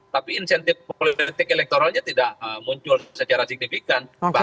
tapi insentif politik elektoralnya tidak muncul secara signifikan